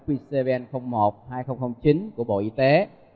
qcbn một hai nghìn chín của bộ y tế